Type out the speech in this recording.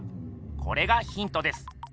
これがヒントです。